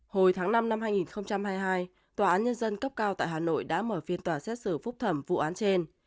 hồi tháng năm năm hai nghìn hai mươi hai tòa án nhân dân cấp cao tại hà nội đã mở phiên tòa xét xử phúc thẩm vụ án trên